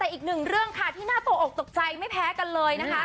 อีกหนึ่งเรื่องที่หน้าตัวออกตกใจไม่แพ้กันเลย